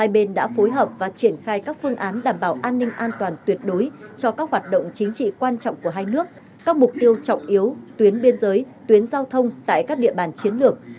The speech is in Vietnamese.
bảo an ninh an toàn tuyệt đối cho các hoạt động chính trị quan trọng của hai nước các mục tiêu trọng yếu tuyến biên giới tuyến giao thông tại các địa bàn chiến lược